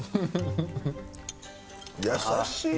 優しい。